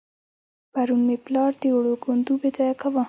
پرون مې پلار د وړو کندو بېځايه کاوه.